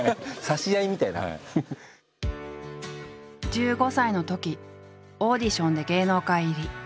１５歳のときオーディションで芸能界入り。